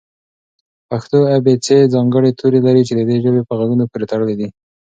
پښتو ابېڅې ځانګړي توري لري چې د دې ژبې په غږونو پورې تړلي دي.